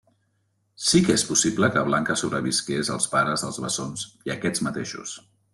Sí que és possible que Blanca sobrevisqués als pares dels bessons i a aquests mateixos.